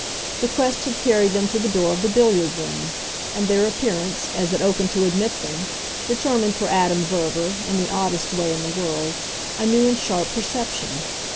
The quest had carried them to the door of the billiard room, and their appearance, as it opened to admit them, determined for Adam Verver, in the oddest way in the world, a new and sharp perception.